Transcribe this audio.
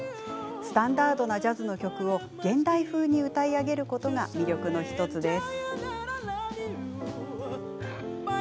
スタンダードなジャズの曲を現代風に歌い上げることが魅力の１つです。